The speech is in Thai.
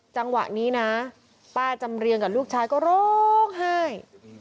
จังหวะนี้นะป้าจำเรียงกับลูกชายก็ร้องไห้